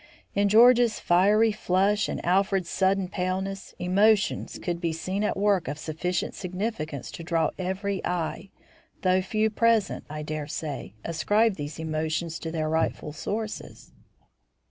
In George's fiery flush and Alfred's sudden paleness, emotions could be seen at work of sufficient significance to draw every eye; though few present, I dare say, ascribed these emotions to their rightful sources.